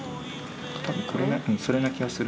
多分それな気がする。